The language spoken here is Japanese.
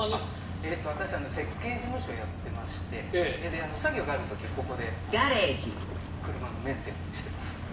私設計事務所をやってまして作業がある時はここで車のメンテをしてます。